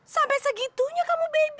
sampai segitunya kamu baby